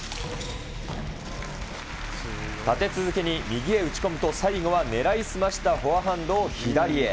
立て続けに右へ打ち込むと、最後は狙いすましたフォアハンドを左へ。